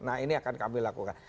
nah ini akan kami lakukan